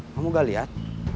kamu gak lihat